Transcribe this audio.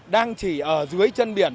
đang chỉ ở dưới chân biển